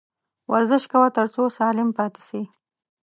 ورزش کوه ، تر څو سالم پاته سې